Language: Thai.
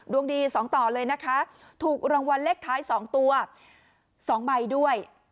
ดวงดี๒ต่อเลยนะคะถูกรางวัลเลขท้าย๒ตัว๒ใบด้วย